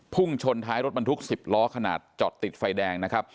พุ่งชนท้ายรถบรรทุก๑๐ล้อขนาดจอดติดไฟแดงนะครับ